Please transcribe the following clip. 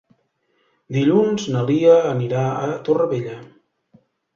Dilluns na Lia anirà a Torrevella.